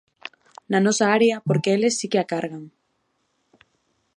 Na nosa área porque eles si que a cargan.